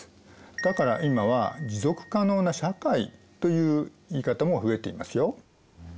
だから今は持続可能な社会という言い方も増えていますよ。